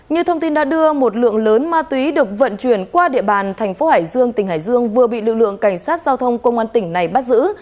như thông tin đã đưa một lượng lớn ma túy được vận chuyển qua địa bàn thành phố hải dương tỉnh hải dương vừa bị lực lượng cảnh sát giao thông công an tỉnh này bắt giữ